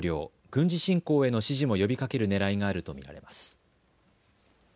軍事侵攻への支持も呼びかけるねらいがあると見られます。